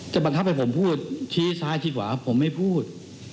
บังคับให้ผมพูดชี้ซ้ายชี้ขวาผมไม่พูด